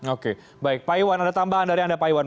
oke baik pak iwan ada tambahan dari anda pak iwan